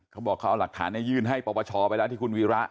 เขาบอกเขาเอาหลักฐานนี้ยื่นให้ประวัติศาสตร์ไปแล้วที่คุณวีระ